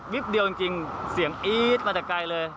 เดียวจริงเสียงอี๊ดมาแต่ไกลเลย